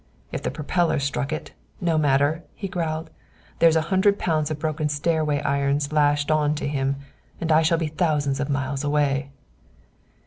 "If the propeller struck it, no matter," he growled. "There's a hundred pounds of broken stairway irons lashed on him. And I will soon be thousands of miles away."